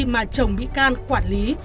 mà chồng bị can quản lý